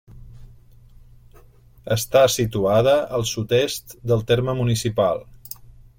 Està situada al sud-est del terme municipal.